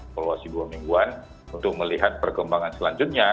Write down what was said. evaluasi dua mingguan untuk melihat perkembangan selanjutnya